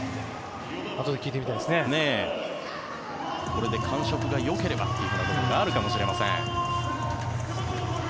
これで感触がよければという部分があるかもしれません。